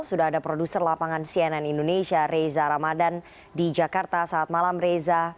sudah ada produser lapangan cnn indonesia reza ramadan di jakarta saat malam reza